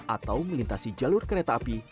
atau melintasi jalur kereta api